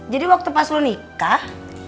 jadi waktu pas lo nikah